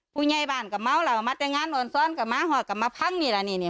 พูดไงบ้านก็เมาแล้วมัตตงานอ่อนซ้อนก็มาหอดก็มาพังนี่ละนี่นี่